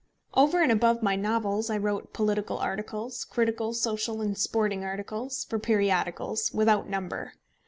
Over and above my novels, I wrote political articles, critical, social, and sporting articles, for periodicals, without number.